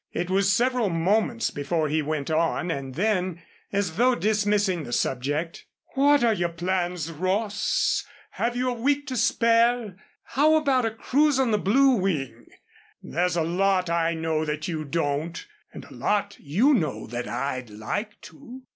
It was several moments before he went on, and then, as though dismissing the subject. "What are your plans, Ross? Have you a week to spare? How about a cruise on the Blue Wing? There's a lot I know that you don't, and a lot you know that I'd like to.